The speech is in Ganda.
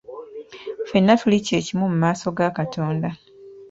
Ffenna tuli kye kimu mu maaso ga Katonda.